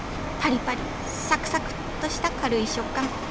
パリパリサクサクッとした軽い食感。